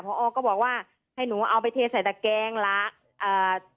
พอก็บอกว่าให้หนูเอาไปเทใส่ตะแกงละเอ่อ